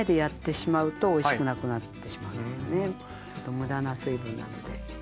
無駄な水分なので。